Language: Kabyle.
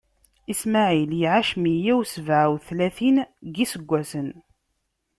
Ismaɛil iɛac meyya usebɛa utlatin n iseggasen.